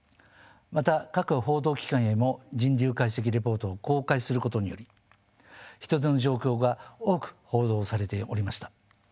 また各報道機関へも人流解析レポートを公開することにより人出の状況が多く報道されておりました。